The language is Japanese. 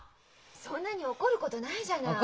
そんなに怒ることないじゃない。